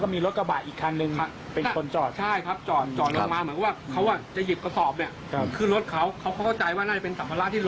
มันกลงเหมือนกับหรือมันกลงเหมือนใส่แตกว่าจะไปทางไหนแล้วประมาณนี้